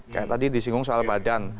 kayak tadi disinggung soal badan